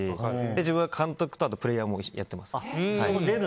自分、監督とあとプレーヤーもやってます。